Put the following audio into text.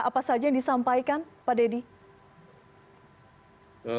apa saja yang disampaikan pak dedy